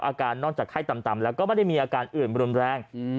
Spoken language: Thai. อาการนอกจากไข้ต่ำแล้วก็ไม่ได้มีอาการอื่นรุนแรง